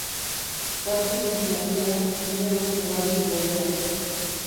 Jertse urdin argia, ile beltz ugariz betea.